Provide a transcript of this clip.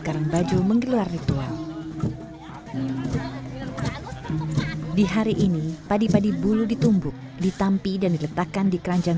karang bajo menggelar ritual di hari ini padi padi bulu ditumbuk ditampi dan diletakkan di keranjang